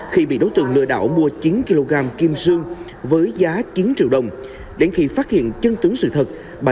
khi bị đối tượng lừa đảo mua chín kg kim sương với giá chín triệu đồng đến khi phát hiện chân tướng sự thật